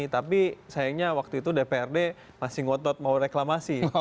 tapi sayangnya waktu itu dprd masih ngotot mau reklamasi